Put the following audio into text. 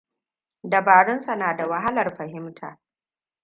Dabarunsa na da wahalar fahimta.